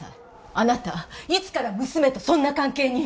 あなたいつから娘とそんな関係に？